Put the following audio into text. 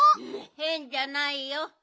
へんじゃないよ。